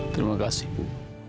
terima kasih bu